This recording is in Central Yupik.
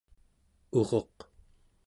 uruq